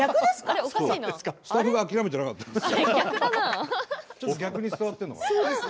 スタッフが諦めていなかったんです。